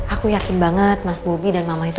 aku yakin banget mas bobi dan mama itu